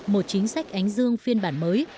một chính sách ánh dương phiên bản mới